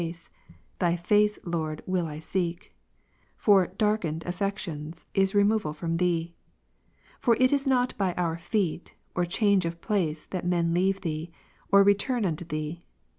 1, 77/// face ; Thy face, Lord, will I seek. For darkened aWec 21 ..././^ tion is removal from Thee. For it is not by our feet, or change of place, that men leave Thee, or return unto Thee.